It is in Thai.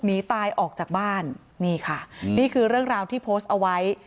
หนีตายออกจากบ้านนี่ค่ะนี่คือเรื่องราวที่โพสต์เอาไว้